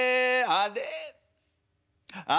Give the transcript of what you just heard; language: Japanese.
あれ？